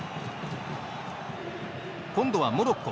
今度はモロッコ。